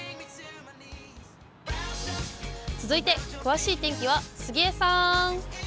続いて詳しい天気は杉江さん。